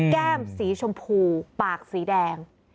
แก้มสีชมพูปากสีแดง